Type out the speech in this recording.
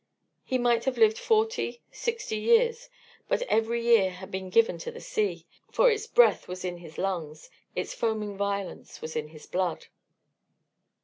He might have lived forty, sixty years, but every year had been given to the sea, for its breath was in his lungs, its foaming violence was in his blood.